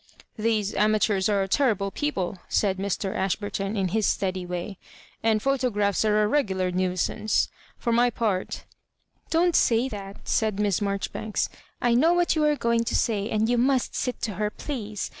"These amateurs are terrible people," said Mr. Ashburton, in hia steady way ;" and photographs are a 4'egular nuisance. For my part "" Don't say that," said Miss Maijoribanks. " I know what you are going to say ; and you vntist sit to her, please.